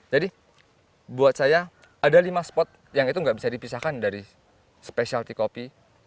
jadi buat saya ada lima spot yang itu nggak bisa dipisahkan dari specialty kopi